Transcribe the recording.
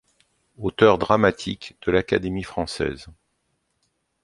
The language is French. Auteur dramatique, de l'Académie française.